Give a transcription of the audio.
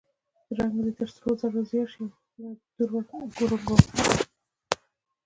رنګ دې تر سرو زرو زیړ شي او اوښکې مې دُر و ګوهر.